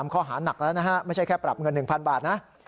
ข้อหานักแล้วนะฮะไม่ใช่แค่ปรับเงิน๑๐๐บาทนะ